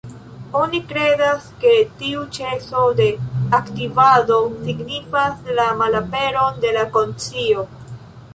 Oni kredas, ke tiu ĉeso de aktivado signifas la malaperon de la konscio.